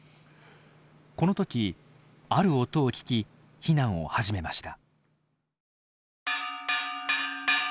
この時ある音を聞き避難を始めました。